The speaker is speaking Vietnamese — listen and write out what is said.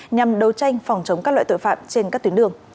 nhằm đấu tranh phòng chống các loại tội phạm trên các tuyến đường